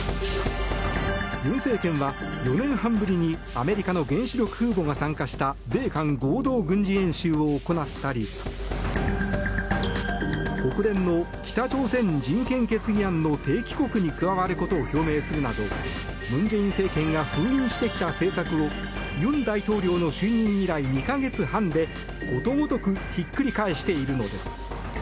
尹政権は４年半ぶりにアメリカの原子力空母が参加した米韓合同軍事演習を行ったり国連の北朝鮮人権決議案の提起国に加わることを表明するなど文在寅政権が封印してきた政策を尹大統領の就任以来２か月半でことごとくひっくり返しているのです。